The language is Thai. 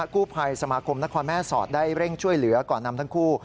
กู้ภัยสมาคมนครแม่สอดได้เร่งช่วยเหลือก่อนนำทั้งคู่